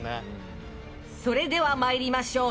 それでは参りましょう。